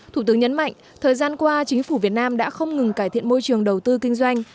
thủ tướng nhấn mạnh thời gian qua chính phủ việt nam đã không ngừng cải thiện môi trường đầu tư kinh doanh